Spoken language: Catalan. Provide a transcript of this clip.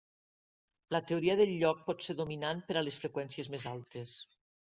La teoria del lloc pot ser dominant per a les freqüències més altes.